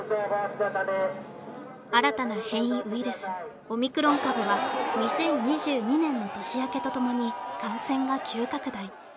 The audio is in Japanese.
新たな変異ウイルスオミクロン株は２０２２年の年明けとともに感染が急拡大